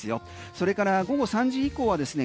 それから午後３時以降はですね